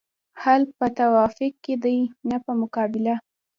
حل په توافق کې دی نه په مقابله.